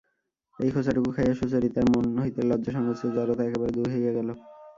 এই খোঁচাটুকু খাইয়া সুচরিতার মন হইতে লজ্জা-সংকোচের জড়তা একেবারে দূর হইয়া গেল।